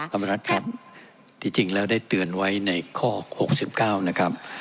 ธรรมรัฐครับที่จริงแล้วได้เตือนไว้ในข้อ๖๙นะครับ